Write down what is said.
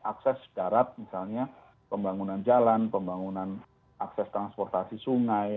akses darat misalnya pembangunan jalan pembangunan akses transportasi sungai